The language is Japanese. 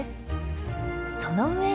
その上で。